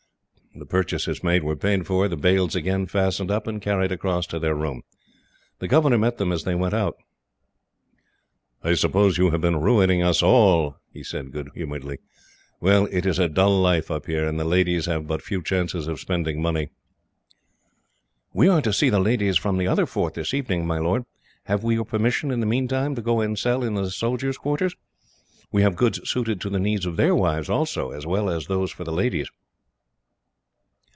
The purchases made were paid for, the bales again fastened up, and carried across to their room. The governor met them as they went out. "I suppose you have been ruining us all?" he said good humouredly. "Well, it is a dull life up here, and the ladies have but few chances of spending money." "We are to see the ladies from the other fort this evening, my lord," Surajah said. "Have we your permission, in the meantime, to go and sell in the soldiers' quarters? We have goods suited to the needs of their wives also, as well as those for the ladies."